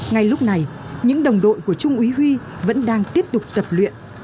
ngay lúc này những đồng đội của trung úy huy vẫn đang tiếp tục tập luyện